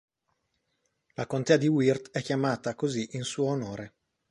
La contea di Wirt è chiamata così in suo onore.